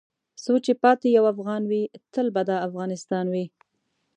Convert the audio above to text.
څو چې پاتې یو افغان وې تل به دا افغانستان وې .